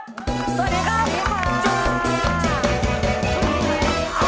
สวัสดีครับพี่ฝาน